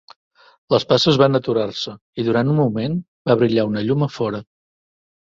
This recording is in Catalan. Les passes van aturar-se i duran un moment va brillar una llum a fora.